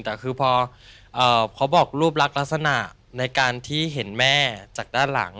แต่คือพอเขาบอกรูปลักษณะในการที่เห็นแม่จากด้านหลัง